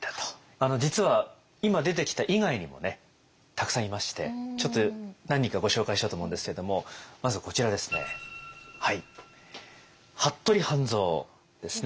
あの実は今出てきた以外にもねたくさんいましてちょっと何人かご紹介しようと思うんですけれどもまずこちらですね服部半蔵ですね。